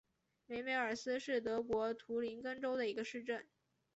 梅梅尔斯是德国图林根州的一个市镇。